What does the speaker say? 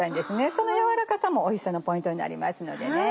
その柔らかさもおいしさのポイントになりますので。